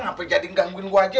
ngapain jaring ganguin gua aja